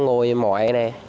ngồi mỏi này